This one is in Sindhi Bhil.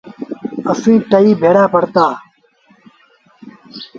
اسيٚݩ ٽئيٚ ڀيڙآ پڙهتآ۔